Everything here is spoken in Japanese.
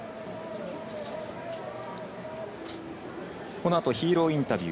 このあとヒーローインタビュー。